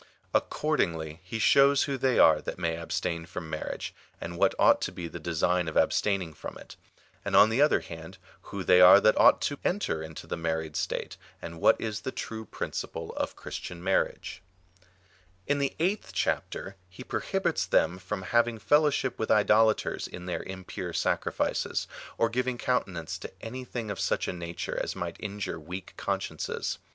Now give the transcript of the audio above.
Accordingly he shows who they are that may abstain from marriage, and what ought to be the design of abstaining from it ; and on the other hand, who they are that ought to enter into the married state, and what is the true principle of Christian marriagey' In the eighth chapter he prohibits them from having fel lowship with idolaters in their impvire sacrifices, or giving countenance to anything of such a nature as might injure weak consciences.